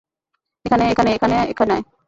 এখানে আয়, এখানে আয়, এখানে আয়, এখানে আয়।